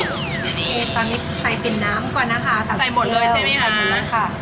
นี่ตอนนี้ใส่ปิ่นน้ำก่อนนะคะใส่หมดเลยใช่ไหมคะหมดเลยค่ะ